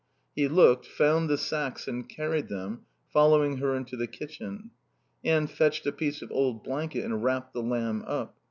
He looked, found the sacks and carried them, following her into the kitchen. Anne fetched a piece of old blanket and wrapped the lamb up.